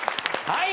はい。